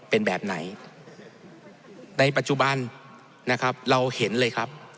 เป็นแบบไหนในปัจจุบันนะครับเราเห็นเลยครับ